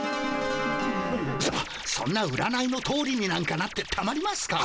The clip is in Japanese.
そそんな占いのとおりになんかなってたまりますか。